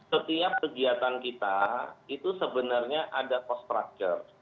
setiap kegiatan kita itu sebenarnya ada cost structure